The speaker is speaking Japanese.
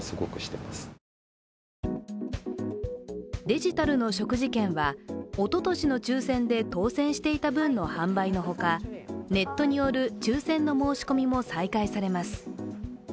デジタルの食事券は、おととしの抽選で当選していた分の販売のほかネットによる抽選の申し込みも再開されます。